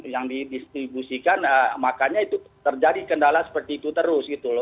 yang didistribusikan makanya itu terjadi kendala seperti itu terus gitu loh